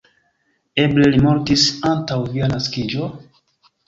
Eble li mortis antaŭ via naskiĝo?